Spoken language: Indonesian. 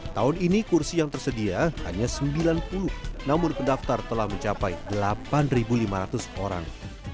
tahun ini kursi yang tersedia hanya sembilan puluh namun pendaftar telah mencapai delapan lima ratus orang